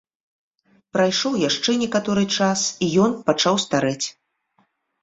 Прайшоў яшчэ некаторы час, і ён пачаў старэць.